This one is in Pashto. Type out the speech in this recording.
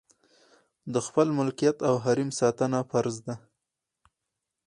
د خپل ملکیت او حریم ساتنه فرض ده.